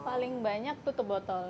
paling banyak tutup botol